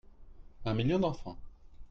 Un million d'enfants.